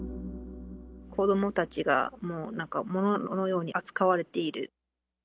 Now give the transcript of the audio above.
子どもたちが、なんか物のように扱われている。